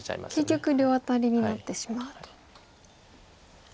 結局両アタリになってしまうと。